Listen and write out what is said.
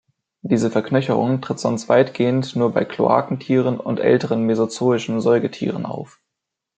Diese Verknöcherung tritt sonst weitgehend nur bei Kloakentieren und älteren mesozoischen Säugetieren auf.